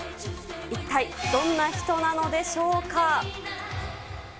一体どんな人なのでしょうか。